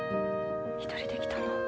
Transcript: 一人で来たの？